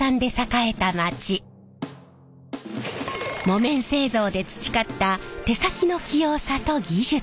木綿製造で培った手先の器用さと技術。